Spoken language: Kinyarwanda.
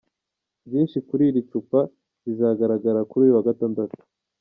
Byinshi kuri iri cupa bizagaragara kuri uyu wa Gatandatu.